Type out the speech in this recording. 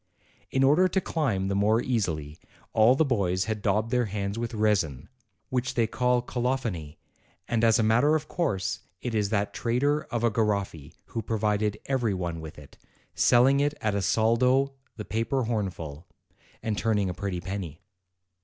In order to climb the more easily, all the boys had daubed their hands with resin, which they call colo phony, and as a matter of course it is that trader of a Garoffi who provided every one with it, selling it at GYMNASTICS 217 a soldo the paper hornful, and turning a pretty penny.